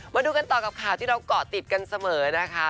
มาดูกันต่อกับข่าวที่เราเกาะติดกันเสมอนะคะ